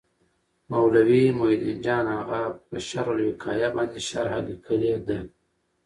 مولوي محي الدین جان اغا په شرح الوقایه باندي شرحه لیکلي ده.